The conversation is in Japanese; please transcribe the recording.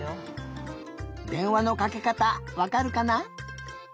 でんわのかけかたわかるかな？